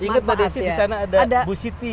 ingat mbak desi di sana ada bu siti